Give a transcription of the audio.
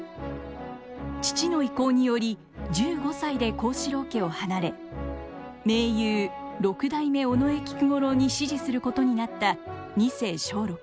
父の意向により１５歳で幸四郎家を離れ名優六代目尾上菊五郎に師事することになった二世松緑。